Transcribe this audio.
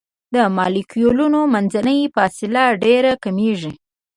د مالیکولونو منځنۍ فاصله ډیره کمیږي.